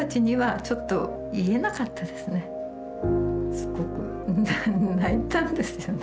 すごく泣いたんですよね。